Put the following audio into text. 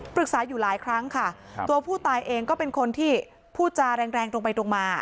ปรึกษาอยู่หลายครั้งค่ะตัวผู้ตายเองก็เป็นคนที่พูดจาแรงตรงไปตรงมา